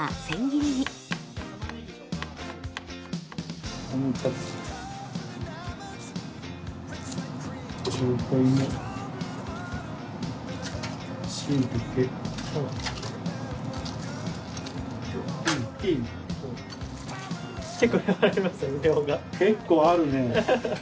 結構あるね。